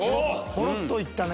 ほろっと行ったね。